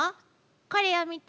これを見て。